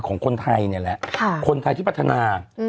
ของคนไทยนี่แหละคนไทยที่พัฒนา